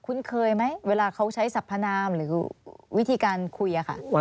คุ้นเคยไหมเวลาเขาใช้สัพพนามหรือวิธีการคุยอะค่ะ